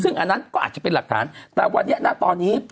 ซึ่งอันนั้นก็อาจจะเป็นหลักฐานแต่วันนี้นะตอนนี้